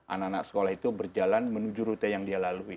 anak anak sekolah itu berjalan menuju rute yang dia lalui